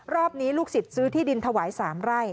รอบนี้ลูกศิษย์ซื้อที่ดินถวาย๓ไร่